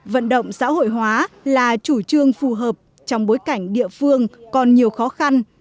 vận động xã hội hóa là chủ trương phù hợp trong bối cảnh địa phương còn nhiều khó khăn